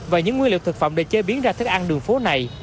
và những nguyên liệu thực phẩm để chế biến ra thức ăn đường phố này